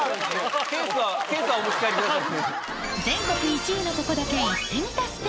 ケースはお持ち帰りください。